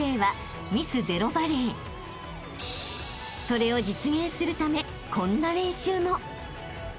［それを実現するためこんな練習も］